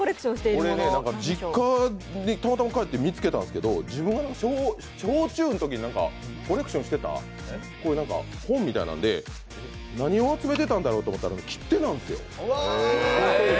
俺、実家にたまたま帰って見つけたんですけど、自分が小中のときにコレクションしてた本みたいなんで何を集めてたんだろうと思ったら切手なんですよ